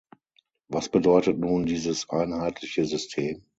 Was bedeutet nun dieses einheitliche System?